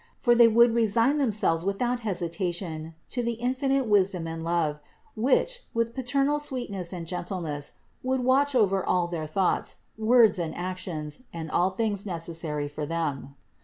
For they would resign them selves without hesitation to the infinite wisdom and love, which, with paternal sweetness and gentleness would watch over all their thoughts, words and actions and all things necessary for them.